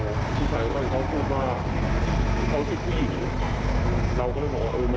ที่นี่มีปัญหา